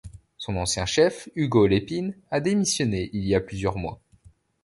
Son ancien chef, Hugo Lépine, a démissionné il y a plusieurs mois.